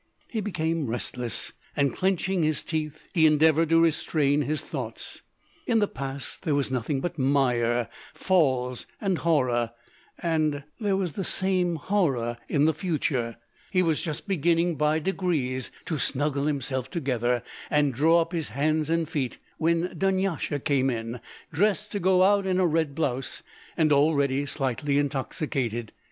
He became restless, and, clenching his teeth, he endeavoured to restrain his thoughts. In the past there was nothing but mire, falls, and horror, and—there was the same horror in the future. He was just beginning by degrees to snuggle himself together, and draw up his hands and feet, when Dunyasha came in, dressed to go out in a red blouse, and already slightly intoxicated.